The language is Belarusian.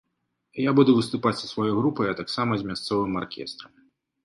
Я буду выступаць са сваёй групай, а таксама з мясцовым аркестрам.